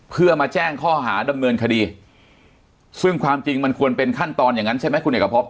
เพื่อมาแจ้งข้อหาดำเนินคดีซึ่งความจริงมันควรเป็นขั้นตอนอย่างนั้นใช่ไหมคุณเอกพบ